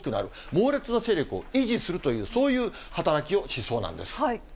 猛烈な勢力を維持するという、そういう働きをしそうなんです。